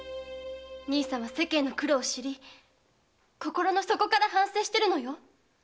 兄さんは世間の苦労を知り心の底から反省してるのよ。